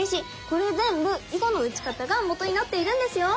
これ全部囲碁の打ち方がもとになっているんですよ！